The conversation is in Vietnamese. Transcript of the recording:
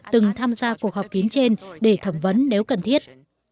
từng tham gia cuộc họp kín trên để thẩm vấn nếu cần thiết